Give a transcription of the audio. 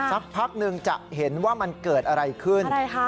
สักพักหนึ่งจะเห็นว่ามันเกิดอะไรขึ้น